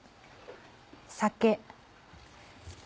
酒。